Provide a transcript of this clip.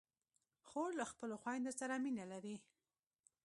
خور له خپلو خویندو سره مینه لري.